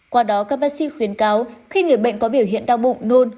qua đó các bác sĩ khuyến cáo khi người bệnh có biểu hiện đau bụng nôn